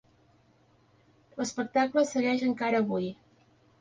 L'espectacle segueix encara avui.